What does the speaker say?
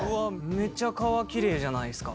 めちゃかわきれいじゃないですか。